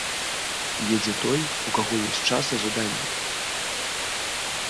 Едзе той, у каго ёсць час і жаданне.